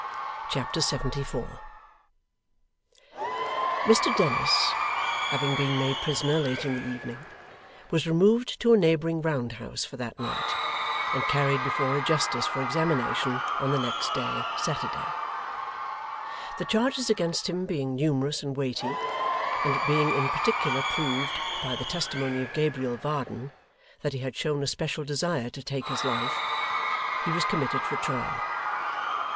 Chapter 74 Mr Dennis, having been made prisoner late in the evening, was removed to a neighbouring round house for that night, and carried before a justice for examination on the next day, Saturday. The charges against him being numerous and weighty, and it being in particular proved, by the testimony of Gabriel Varden, that he had shown a special desire to take his life, he was committed for trial.